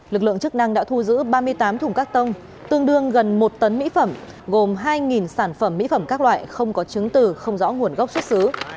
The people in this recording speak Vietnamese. lực lượng chức năng đã thu giữ ba mươi tám thùng các tông tương đương gần một tấn mỹ phẩm gồm hai sản phẩm mỹ phẩm các loại không có chứng từ không rõ nguồn gốc xuất xứ